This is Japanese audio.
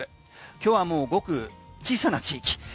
今日はもうごく小さな地域。